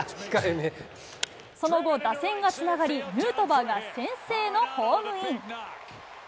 その後、打線がつながり、ヌートバーが先制のホームイン。